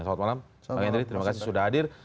selamat malam bang henry terima kasih sudah hadir